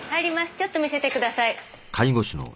ちょっと見せてください。